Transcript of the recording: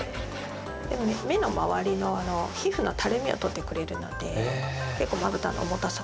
目の周りの皮膚のたるみを取ってくれるので結構まぶたの重たさとか。